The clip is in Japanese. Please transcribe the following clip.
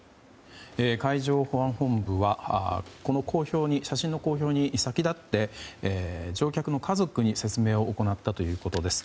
海上保安本部は写真の公表に先立って乗客の家族に説明を行ったということです。